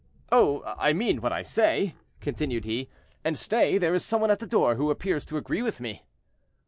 "Oh, I mean what I say," continued he; "and stay, there is some one at the door who appears to agree with me."